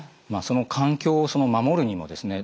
環境を守るにもですね